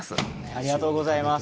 ありがとうございます。